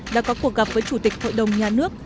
đã có cuộc gặp với chủ tịch hội đồng nhà nước